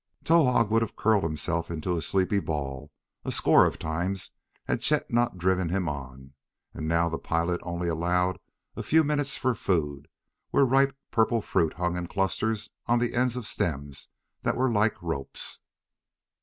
Towahg would have curled himself into a sleepy ball a score of times had Chet not driven him on, and now the pilot only allowed a few minutes for food, where ripe purple fruit hung in clusters on the end of stems that were like ropes.